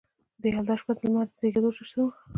د یلدا شپه د لمر د زیږیدو جشن و